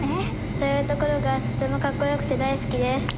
「そういうところがとてもかっこよくて大好きです」。